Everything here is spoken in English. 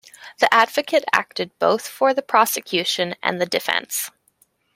The advocate acted both for the prosecution and the defence.